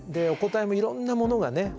お答えもいろんなものがね。